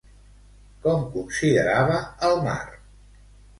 Com considerava el mar?